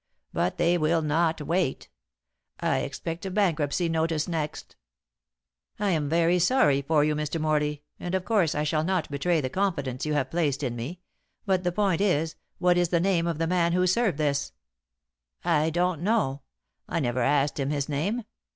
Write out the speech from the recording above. But they will not wait. I expect a bankruptcy notice next." "I am very sorry for you, Mr. Morley, and of course, I shall not betray the confidence you have placed in me; but the point is, what is the name of the man who served this?" "I don't know; I never asked him his name.